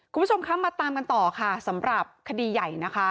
คุณผู้ชมคะมาตามกันต่อค่ะสำหรับคดีใหญ่นะคะ